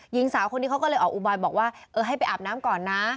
หญิงสาวคนนี้เขาก็เลยออกอุบายบอกว่าเออให้ไปอาบน้ำก่อนนะ